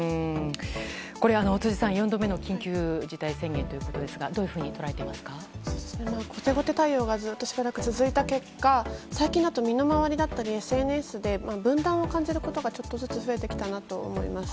辻さん、４度目の緊急事態宣言ということですが後手後手対応がしばらくずっと続いた結果最近になって身の回りだったりＳＮＳで分断を感じることがちょっとずつ増えてきたなと思います。